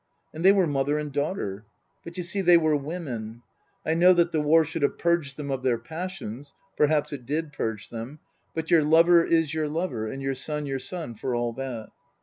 And they were mother and daughter. But, you see, they were women. I know that the war should have purged them of their passions (perhaps it did purge them) ; but your lover is your lover and your son your son for all that.